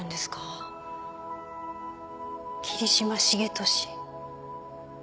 桐島重利